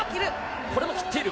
これも切っている。